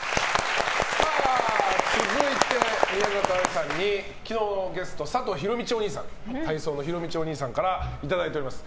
続いて、宮里藍さんに昨日のゲスト佐藤ひろみちおにいさんからいただいております。